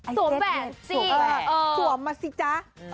สวมแวนสิสวมมาสิจ๊ะ